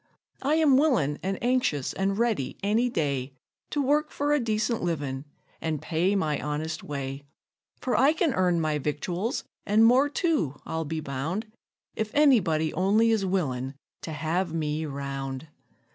I am willin' and anxious an' ready any day To work for a decent livin', an' pay my honest way; For I can earn my victuals, an' more too, I'll be bound, If any body only is willin' to have me round.